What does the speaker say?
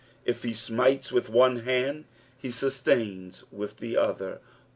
If he smites with ooe hand he sustains with the other.